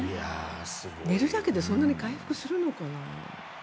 寝るだけでそんなに回復するのかな。